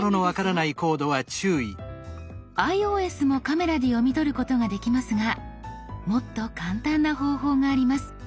ｉＯＳもカメラで読み取ることができますがもっと簡単な方法があります。